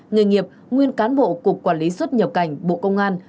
nghề nghiệp nguyên cán bộ cục quản lý xuất nhập cảnh bộ công an